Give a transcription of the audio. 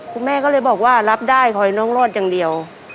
คุณแม่ก็เลยบอกว่ารับได้ขอให้น้องรอดอย่างเดียว